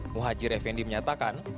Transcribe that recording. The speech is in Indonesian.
muhadjir effendi menyatakan